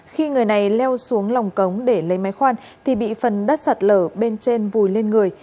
khi người này leo xuống lòng cống để lấy máy khoan thì bị phần đất sạt lở bên trên vùi lên người